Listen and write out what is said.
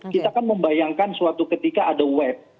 kita kan membayangkan suatu ketika ada web